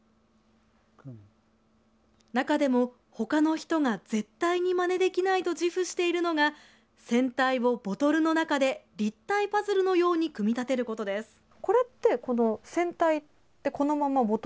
中でも、ほかの人が絶対にまねできないと自負しているのが船体をボトルの中で立体パズルのように組み立てることです。